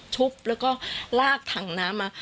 ทุบแล้วก็ลากถังน้ำมา